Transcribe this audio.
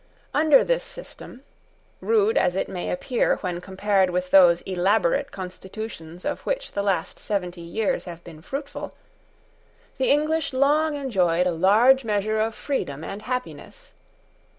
Under this system, rude as it may appear when compared with those elaborate constitutions of which the last seventy years have been fruitful, the English long enjoyed a large measure of freedom and happiness.